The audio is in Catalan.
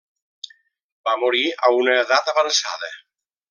Va morir a una edat avançada.